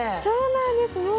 そうなんです。